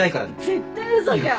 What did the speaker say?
絶対嘘じゃん。